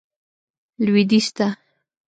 لوېدیځ ته.